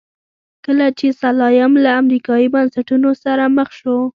کله چې سلایم له امریکایي بنسټونو سره مخ شو.